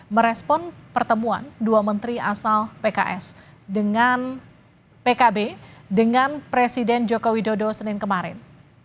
merespon pertemuan dua menteri asal pks dengan pkb dengan presiden joko widodo senin kemarin